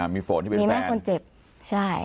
มีโหลดที่เป็นแฟน